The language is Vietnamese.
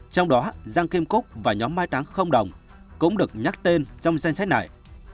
trong đó giang kim cúc và nhóm mai táng không đồng cũng được nhắc tên trong danh sách này